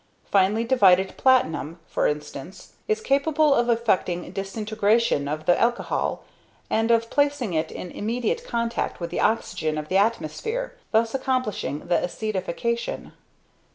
Finely divided platinum, for instance, is capable of effecting disintegration of the alcohol, and of placing it in immediate contact with the oxygen of the atmosphere, thus accomplishing the acetification.